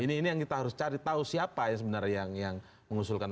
ini yang kita harus cari tahu siapa yang sebenarnya yang mengusulkan